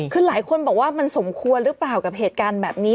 คือหลายคนบอกว่ามันสมควรหรือเปล่ากับเหตุการณ์แบบนี้